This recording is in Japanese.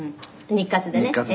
「日活でね」